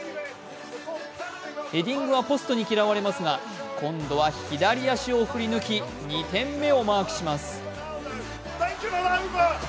ヘディングはポストに嫌われますが、今度は左足を振り抜き２点目をマークします。